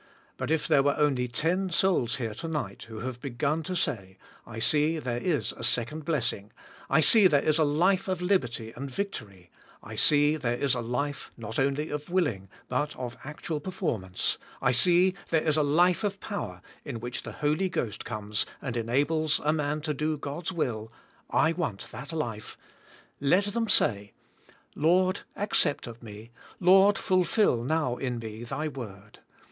But if there were only ten souls here, to night, who have begun to say, "I see there is a second blessing, I see there is a life of liberty and victory, I see there is a life, not only of willing, but of actual performance, I see there is a life of power, in which the Holy Ghost comes and enables a man to do God's will; I want that life,'' let them say, "Lord, accept of me, Lord, fulfill now in me, Thy word.